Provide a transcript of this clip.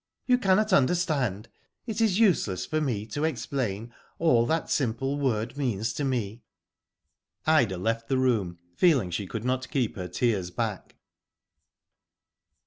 You cannot understand. It is useless for me to explain all that simple word means to me.'^ Ida left the room, feeling she could not keep her tears back.